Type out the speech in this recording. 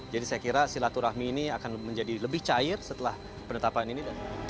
jadi saya kira silaturahmi ini akan menjadi lebih cair setelah penetapan ini